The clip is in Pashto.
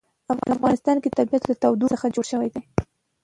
د افغانستان طبیعت له تودوخه څخه جوړ شوی دی.